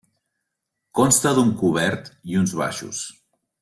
Consta d'un cobert i uns baixos.